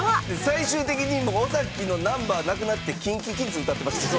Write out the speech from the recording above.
最終的に尾崎のナンバーなくなってＫｉｎＫｉＫｉｄｓ歌ってました。